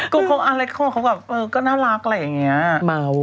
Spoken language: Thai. ก็เขาอะไรก็เขาแบบก็น่ารักแหละอย่างเงี้ย